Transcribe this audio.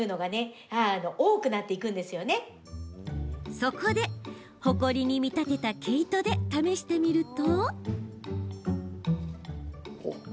そこで、ほこりに見立てた毛糸で試してみると。